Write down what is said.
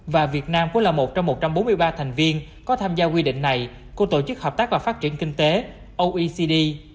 và việt nam cũng là một trong một trăm bốn mươi ba thành viên có tham gia quy định này của tổ chức hợp tác và phát triển kinh tế oecd